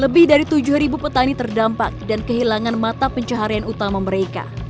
lebih dari tujuh petani terdampak dan kehilangan mata pencaharian utama mereka